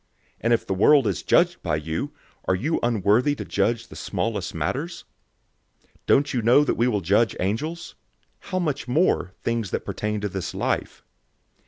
And if the world is judged by you, are you unworthy to judge the smallest matters? 006:003 Don't you know that we will judge angels? How much more, things that pertain to this life?